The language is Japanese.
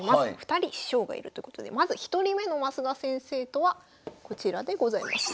２人師匠がいるということでまず１人目のマスダ先生とはこちらでございます。